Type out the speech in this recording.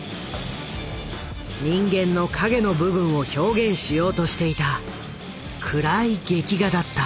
人間の影の部分を表現しようとしていた暗い劇画だった。